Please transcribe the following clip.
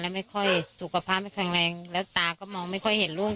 ไม่ค่อยสุขภาพไม่แข็งแรงแล้วตาก็มองไม่ค่อยเห็นลูก